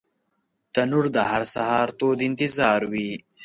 تنور د هر سهار تود انتظار وي